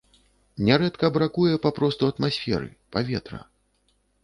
Нярэдка бракуе папросту атмасферы, паветра.